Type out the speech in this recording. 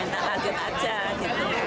seandainya kan anak anak